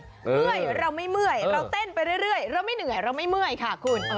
เมื่อยเราไม่เมื่อยเราเต้นไปเรื่อยเราไม่เหนื่อยเราไม่เมื่อยค่ะคุณ